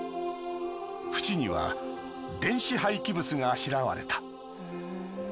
縁には電子廃棄物があしらわれた。